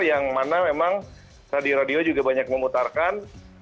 yang mana memang tadi radio juga banyak memutarkan